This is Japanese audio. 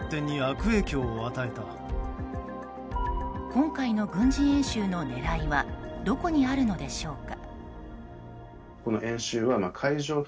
今回の軍事演習の狙いはどこにあるのでしょうか。